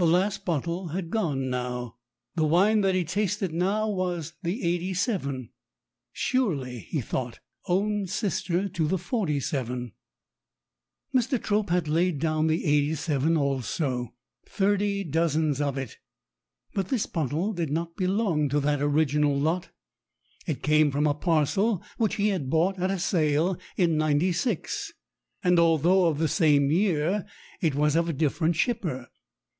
The last bottle had gone now. The wine that he tasted now was the '87, surely, he thought, own sister to the '47. Mr. Trope had laid down the '87 also, thirty dozens of it. But this bottle did not belong to that original lot. It came from a parcel which he had bought at a sale in '96, and although of the same year, it was of a different shipper.